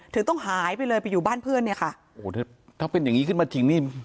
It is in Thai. ถึงต้องหายไปเลยไปอยู่บ้านเพื่อนเนี่ยค่ะโอ้โหถ้าถ้าเป็นอย่างงี้ขึ้นมาจริงนี่